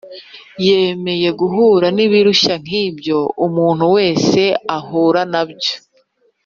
Yemeye guhura n’ibirushya nk’ibyo umuntu wese ahura nabyo